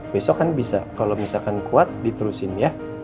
besok kan bisa kalau misalkan kuat diterusin ya